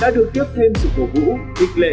đã được tiếp thêm sự phổ vũ thích lệ